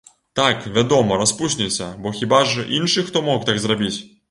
Так, вядома, распусніца, бо хіба ж іншы хто мог так зрабіць?